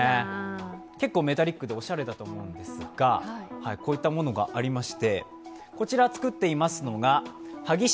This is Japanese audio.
結構メタリックでおしゃれだと思うんですがこういったものがあります。